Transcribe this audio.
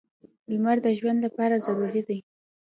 • لمر د ژوند لپاره ضروري دی.